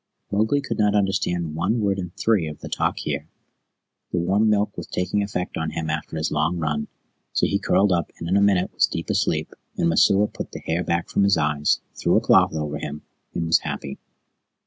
Mowgli could not understand one word in three of the talk here; the warm milk was taking effect on him after his long run, so he curled up and in a minute was deep asleep, and Messua put the hair back from his eyes, threw a cloth over him, and was happy.